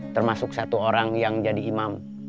termasuk satu orang yang jadi imam